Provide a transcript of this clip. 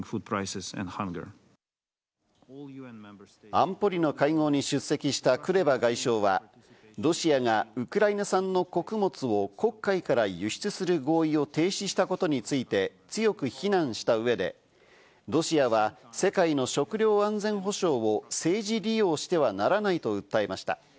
安保理の会合に出席したクレバ外相は、ロシアがウクライナ産の穀物を黒海から輸出する合意を停止したことについて、強く非難した上で、ロシアは世界の食糧安全保障を政治利用してはならないと訴えました。